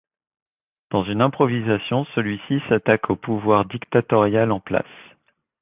Dans une improvisation, celui-ci s’attaque au pouvoir dictatorial en place.